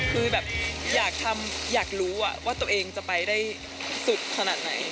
คือแบบอยากรู้ว่าตัวเองจะไปได้สุดขนาดไหน